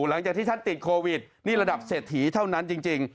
หลังจากที่ท่านติดโควิดนี่ระดับเศรษฐีเท่านั้นจริง